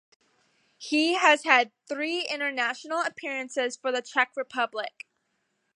He has had three international appearances for the Czech Republic.